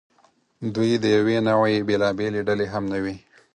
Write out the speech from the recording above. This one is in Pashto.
دوی د یوې نوعې بېلابېلې ډلې هم نه وې.